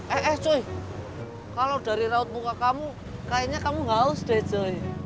eh eh cuy kalo dari raut muka kamu kayaknya kamu ngaus deh cuy